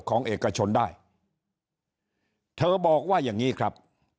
ของเอกชนได้เธอบอกว่าอย่างนี้ครับ